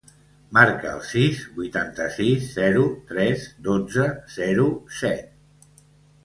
Marca el sis, vuitanta-sis, zero, tres, dotze, zero, set.